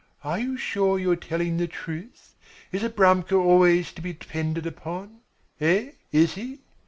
"Are you sure you are telling the truth? Is Abramka always to be depended upon? Eh, is he?"